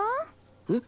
えっ？